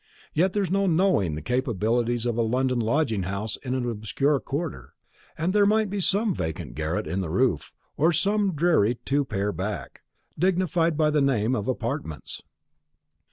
Yet there is no knowing the capabilities of a London lodging house in an obscure quarter, and there might be some vacant garret in the roof, or some dreary two pair back, dignified by the name of "apartments."